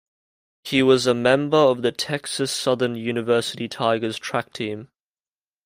He was a member of the Texas Southern University Tigers track team.